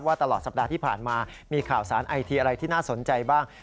ตลอดสัปดาห์ที่ผ่านมามีข่าวสารไอทีอะไรที่น่าสนใจบ้าง